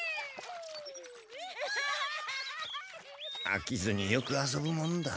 あきずによく遊ぶもんだ。